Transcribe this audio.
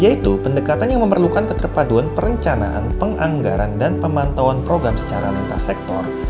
yaitu pendekatan yang memerlukan keterpaduan perencanaan penganggaran dan pemantauan program secara lintas sektor